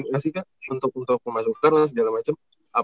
terima kasih kak untuk memasukkan lah segala macam